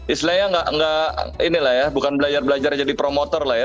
istilahnya bukan belajar belajar jadi promotor lah ya